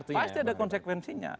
pasti ada konsekuensinya